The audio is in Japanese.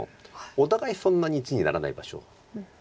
お互いにそんなに地にならない場所。